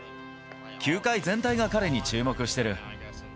球界全体が彼に注目している。